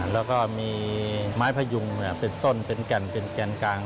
แล้วก็มีไม้พะยุงเป็นต้นเป็นแก่นกลาง